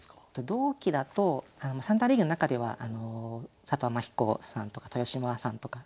同期だと三段リーグの中では佐藤天彦さんとか豊島さんとか。